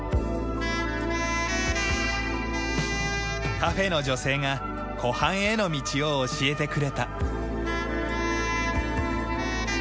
カフェの女性が湖畔への道を教えてくれた。